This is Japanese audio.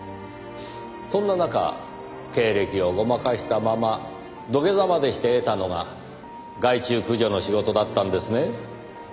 そんな中経歴をごまかしたまま土下座までして得たのが害虫駆除の仕事だったんですね。